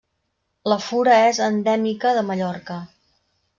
La fura és endèmica de Mallorca.